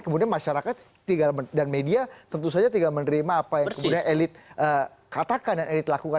kemudian masyarakat tinggal dan media tentu saja tinggal menerima apa yang kemudian elit katakan dan elit lakukan